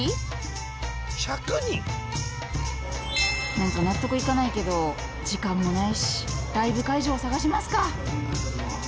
何か納得いかないけど時間もないしライブ会場探しますか。